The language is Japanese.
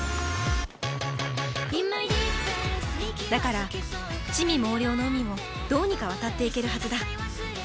だから魑魅魍魎の海もどうにか渡っていけるはずだ